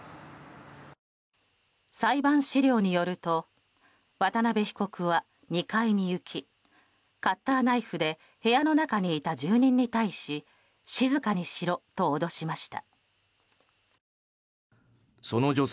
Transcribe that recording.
裁判資料によると渡邉被告は２階に行きカッターナイフで部屋の中にいた住人に対し静かにしろと脅しました。